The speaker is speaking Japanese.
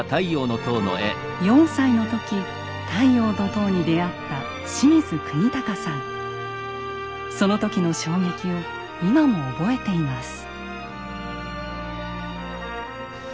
４歳の時「太陽の塔」に出会ったその時の衝撃を今も覚えています。